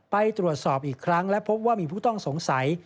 ไปตรวจสอบอีกครั้งและพบว่ามีผู้ต้องสงสัย